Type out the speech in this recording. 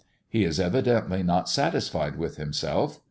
He is evidently not satisfied with himself.